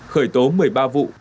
khởi tố một mươi ba vụ